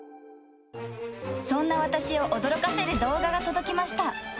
そんな私を驚かせる動画が届きました。